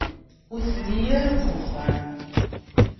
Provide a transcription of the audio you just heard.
Ur telli ara deg uxxam.